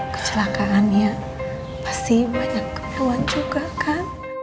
kecelakaannya pasti banyak kepewan juga kan